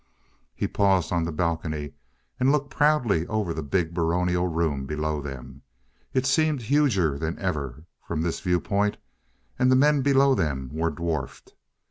He paused on the balcony and looked proudly over the big, baronial room below them. It seemed huger than ever from this viewpoint, and the men below them were dwarfed.